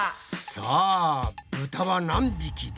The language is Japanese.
さあブタは何匹だ？